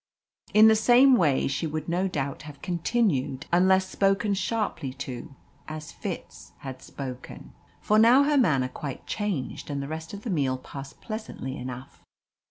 In the same way she would no doubt have continued, unless spoken sharply to, as Fitz had spoken. For now her manner quite changed, and the rest of the meal passed pleasantly enough.